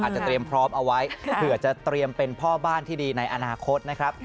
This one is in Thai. เตรียมพร้อมเอาไว้เผื่อจะเตรียมเป็นพ่อบ้านที่ดีในอนาคตนะครับ